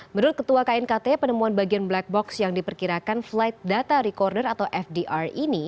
menurut ketua knkt penemuan bagian black box yang diperkirakan flight data recorder atau fdr ini